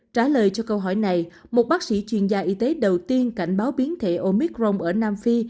trả lời cho câu hỏi này một bác sĩ chuyên gia y tế đầu tiên cảnh báo biến thể omicron ở nam phi